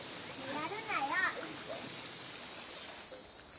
やるなよ！